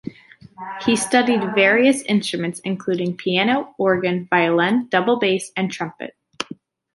He studied various instruments including piano, organ, violin, double bass, and trumpet.